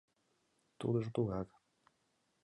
Тудыжо тугак...